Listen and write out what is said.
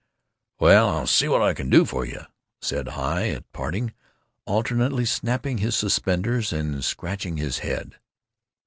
"Well, I'll see what I can do for you," said Heye, at parting, alternately snapping his suspenders and scratching his head.